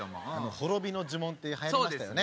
滅びの呪文って流行りましたよね。